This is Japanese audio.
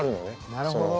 なるほど。